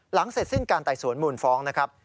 เสร็จสิ้นการไต่สวนมูลฟ้องนะครับ